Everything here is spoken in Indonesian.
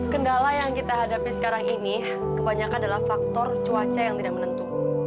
kendala yang kita hadapi sekarang ini kebanyakan adalah faktor cuaca yang tidak menentu